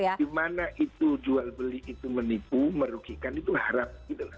di mana itu jual beli itu menipu merugikan itu harap